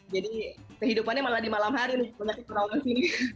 jadi kehidupannya malah di malam hari nih banyak yang pernah ke sini